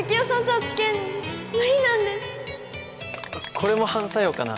これも反作用かな？